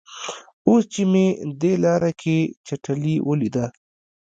اوس چې مې دې لاره کې چټلي ولیده.